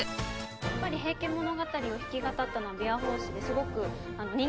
やっぱり『平家物語』を弾き語ったのは琵琶法師ですごく人気があったのは。